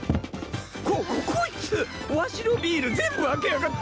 ここいつわしのビール全部あけやがって。